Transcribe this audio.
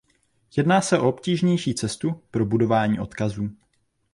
Jedná se o obtížnější cestu pro budování odkazů.